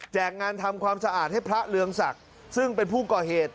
งานทำความสะอาดให้พระเรืองศักดิ์ซึ่งเป็นผู้ก่อเหตุ